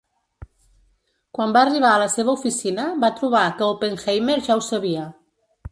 Quan va arribar a la seva oficina, va trobar que Oppenheimer ja ho sabia.